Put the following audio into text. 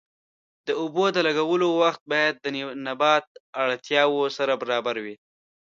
د اوبو د لګولو وخت باید د نبات اړتیاوو سره برابر وي.